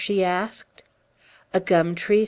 she asked. "A gum tree?"